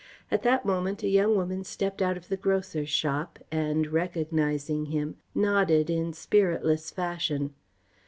At that moment a young woman stepped out of the grocer's shop and, recognising him, nodded in spiritless fashion.